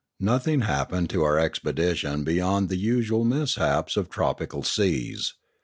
Nothing happened to our expedition beyond the usual mishaps of tropical seas.